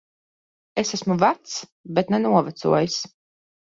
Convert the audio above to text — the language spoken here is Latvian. Es esmu vecs. Bet ne novecojis.